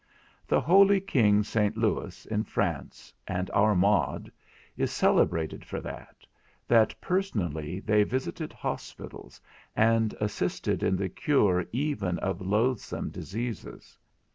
The holy king St. Louis, in France, and our Maud, is celebrated for that, that personally they visited hospitals, and assisted in the cure even of loathsome diseases.